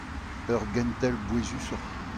Ur gentel bouezusoc'h.